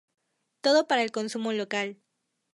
Todo para el consumo local.